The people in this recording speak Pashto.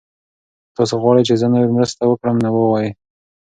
که تاسي غواړئ چې زه نوره مرسته وکړم نو ووایئ.